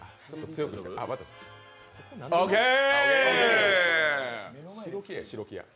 オーケー。